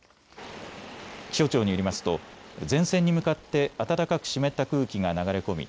気象庁によりますと前線に向かって暖かく湿った空気が流れ込み